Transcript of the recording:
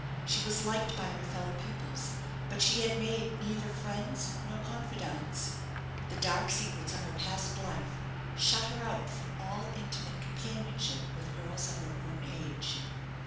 She was liked by her fellow pupils; but she had made neither friends nor confidantes. The dark secrets of her past life shut her out from all intimate companionship with girls of her own age.